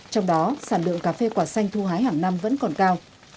trong đó sản lượng cà phê quả xanh thu hái hàng năm vẫn còn cao